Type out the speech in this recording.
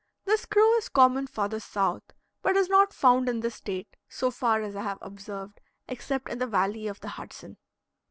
This crow is common farther south, but is not found in this State, so far as I have observed, except in the valley of the Hudson.